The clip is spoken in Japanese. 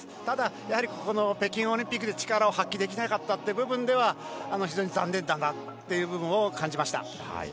ただ、ここの北京オリンピックで力を発揮できなかった部分では非常に残念だなという部分も感じました。